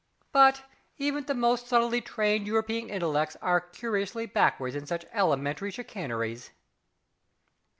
But even the most subtly trained European intellects are curiously backward in such elementary chicaneries!